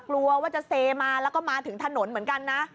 กลัวว่าจะเซมาแล้วก็มาถึงถนนเหมือนกันนะ